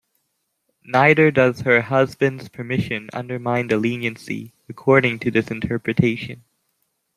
Neither does her husband's permission undermine the leniency, according to this interpretation.